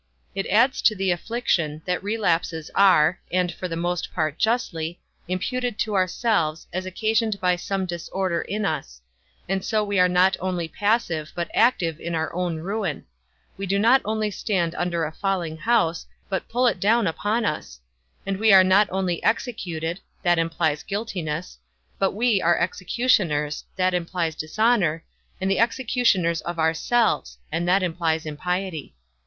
It adds to the affliction, that relapses are (and for the most part justly) imputed to ourselves, as occasioned by some disorder in us; and so we are not only passive but active in our own ruin; we do not only stand under a falling house, but pull it down upon us; and we are not only executed (that implies guiltiness), but we are executioners (that implies dishonour), and executioners of ourselves (and that implies impiety).